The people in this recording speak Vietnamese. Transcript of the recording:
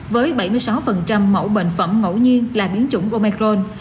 với bảy mươi sáu mẫu bệnh phẩm ngẫu nhiên là biến chủng omercron